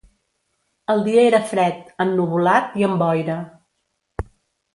El dia era fred, ennuvolat i amb boira.